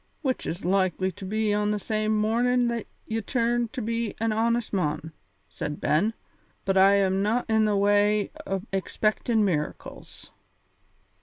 "Which is likely to be on the same mornin' that ye turn to be an honest mon," said Ben; "but I am no' in the way o' expectin' miracles."